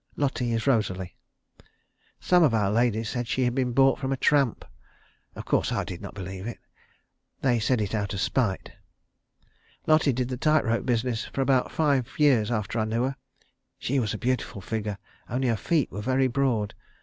Lotty is Rosalie. Some of our ladies said she had been bought from a tramp. Of course I did not believe it. They said it out of spite. Lotty did the tight rope business for about five years after I knew her. She was a beautiful figure, only her feet were very broad.